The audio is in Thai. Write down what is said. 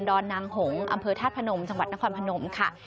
อนนางหงษ์อำเภอธาตุพนมจังหวัดนครพนมค่ะ